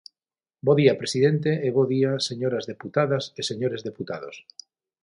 Bo día, presidente, e bo día, señoras deputadas e señores deputados.